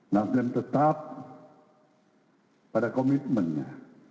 nasden tetap pada komitmennya